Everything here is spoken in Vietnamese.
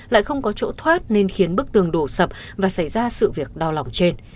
lại không có chỗ thoát nên khiến bức tường đổ sập và xảy ra sự việc đau lòng trên